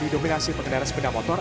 didominasi pengendara sepeda motor